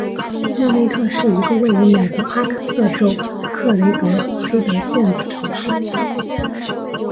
莫内特是一个位于美国阿肯色州克雷格黑德县的城市。